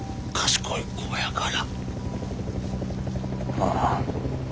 ああ。